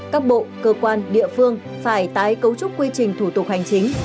các bộ cơ quan địa phương phải tái cấu trúc quy trình thủ tục hành chính